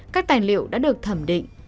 các tài liệu đã được thẩm định